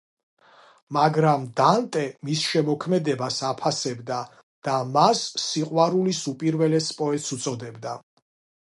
მაგრამ დანტე მის შემოქმედებას აფასებდა და მას „სიყვარულის უპირველეს პოეტს“ უწოდებდა.